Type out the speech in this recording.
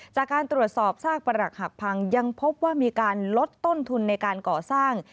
จากการตรวจสอบซากประหลักหักพังยังพบว่ามีการลดต้นทุนในการก่อสร้าง